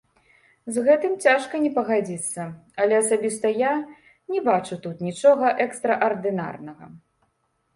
З гэтым цяжка не пагадзіцца, але асабіста я не бачу тут нічога экстраардынарнага.